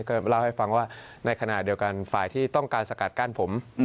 ก็เล่าให้ฟังว่าในขณะเดียวกันฝ่ายที่ต้องการสกัดกั้นผม